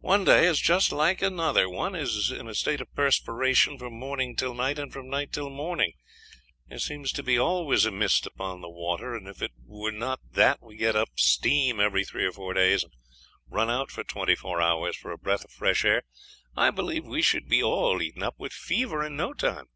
"One day is just like another one is in a state of perspiration from morning till night, and from night till morning. There seems to be always a mist upon the water; and if it were not that we get up steam every three or four days and run out for twenty four hours for a breath of fresh air, I believe that we should be all eaten up with fever in no time.